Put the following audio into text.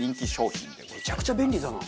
めちゃくちゃ便利だな。